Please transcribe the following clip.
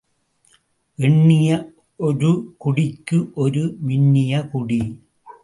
எண்ணிய ஒரு குடிக்கு ஒரு மின்னிய குடி.